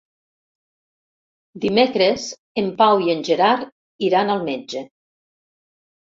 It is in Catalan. Dimecres en Pau i en Gerard iran al metge.